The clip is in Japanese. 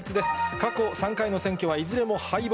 過去３回の選挙は、いずれも敗北。